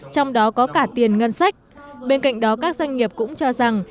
trong đó có cả tiền ngân sách bên cạnh đó các doanh nghiệp cũng cho rằng